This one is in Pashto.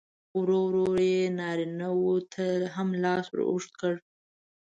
ورو ورو یې نارینه و ته هم لاس اوږد کړ.